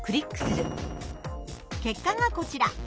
結果がこちら。